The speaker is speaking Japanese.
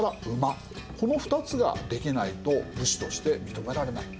この２つができないと武士として認められない。